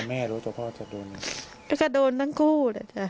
แล้วก็เป็นตอนของตั๋งกู้